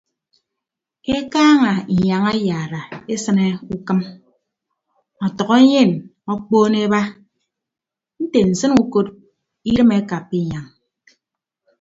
Ekaaña inyañ ayara esịne ukịm ọtʌk enyen okpoon eba nte nsịn ukot idịm akappa inyañ.